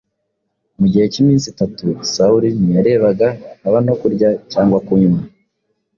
Mu gihe cy’iminsi itatu Sawuli “ntiyarebaga, haba no kurya cyangwa kunywa.”